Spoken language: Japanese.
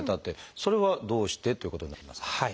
それはどうしてということになりますか？